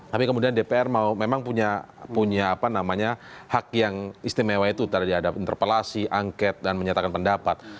tapi kemudian dpr memang punya hak yang istimewa itu terhadap interpelasi angket dan menyatakan pendapat